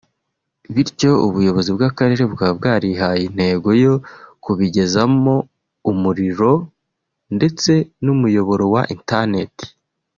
bityo ubuyobozi bw’Akarere bukaba bwarihaye intego yo kubigezamo umuriro ndetse n’umuyoboro wa internet